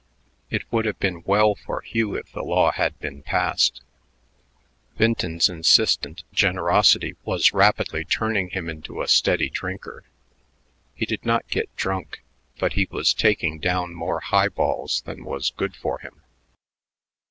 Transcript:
It would have been well for Hugh if the law had been passed. Vinton's insistent generosity was rapidly turning him into a steady drinker. He did not get drunk, but he was taking down more high balls than were good for him.